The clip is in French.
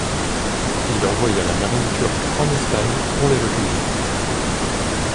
Il envoya la marine turque en Espagne pour les recueillir.